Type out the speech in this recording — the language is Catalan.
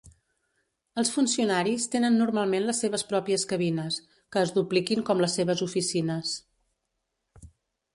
Els funcionaris tenen normalment les seves pròpies cabines, que es dupliquin com les seves oficines.